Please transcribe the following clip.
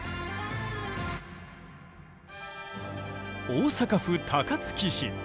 大阪府高槻市。